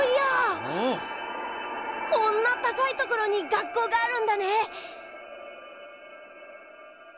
こんなたかいところにがっこうがあるんだね！